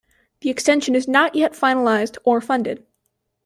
The extension is not yet finalized or funded.